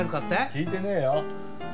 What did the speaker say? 聞いてねえよ。